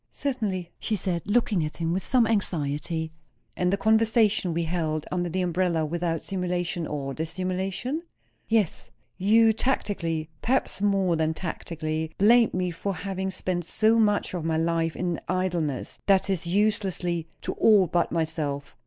"Certainly!" she said, looking at him with some anxiety. "And the conversation we held under the umbrella, without simulation or dissimulation?" "Yes." "You tacitly perhaps more than tacitly blamed me for having spent so much of my life in idleness; that is uselessly, to all but myself."